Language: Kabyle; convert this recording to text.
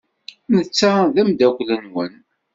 Netta d ameddakel-nwen.